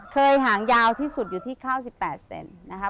เคยหางยาวที่สุดอยู่ที่ข้าว๑๘เซนติเมตรนะคะ